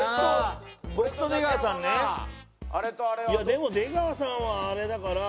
でも出川さんはあれだから。